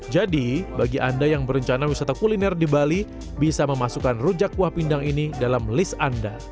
jadi bagi anda yang berencana wisata kuliner di bali bisa memasukkan rujak kuah pindang ini dalam list anda